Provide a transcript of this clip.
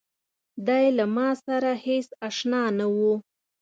دی له ماسره هېڅ آشنا نه و.